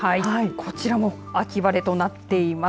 こちらも秋晴れとなっています。